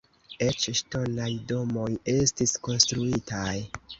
Eĉ ŝtonaj domoj estis konstruitaj.